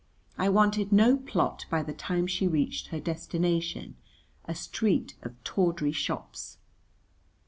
I wanted no plot by the time she reached her destination, a street of tawdry shops.